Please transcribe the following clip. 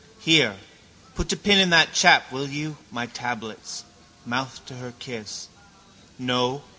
Here. Put a pin in that chap, will you? My tablets. Mouth to her kiss. No.